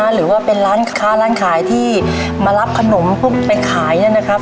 หรือว่าเป็นร้านค้าร้านขายที่มารับขนมปุ๊บไปขายนะครับ